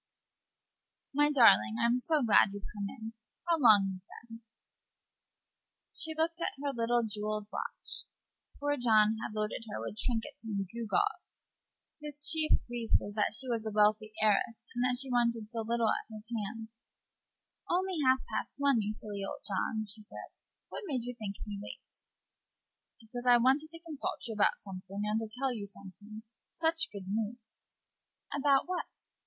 "My darling, I'm so glad you've come in. How long you've been!" She looked at her little jewelled watch. Poor John had loaded her with trinkets and gewgaws. His chief grief was that she was a wealthy heiress, and that he could give her nothing but the adoration of his simple, honest heart. "Only half past one, you silly old John," she said. "What made you think me late?" "Because I wanted to consult you about something, and to tell you something. Such good news!" "About what?"